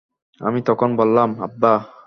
আমি তখন বললাম, আব্বা!